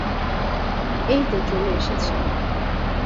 এইতো চলে এসেছি।